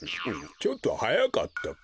ちょっとはやかったか。